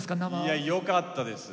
いやよかったです。